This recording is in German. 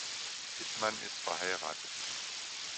Dittmann ist verheiratet.